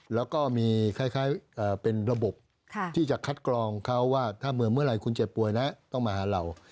แล้วก็มีคล้ายเป็นระบบที่จะคัดกรองเขาว่าถ้าเมื่อเมื่อไหร่คุณเจ็บป่วยแล้วต้องมาหาเรา